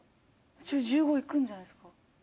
１５いくんじゃないですか？